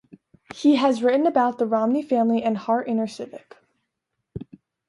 He has written about the Romney family and Hart InterCivic.